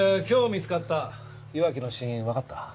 今日見つかった岩城の死因わかった？